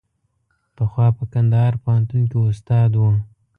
پخوا په کندهار پوهنتون کې استاد و.